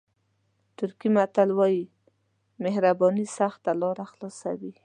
ترکي متل وایي مهرباني سخته لاره خلاصوي.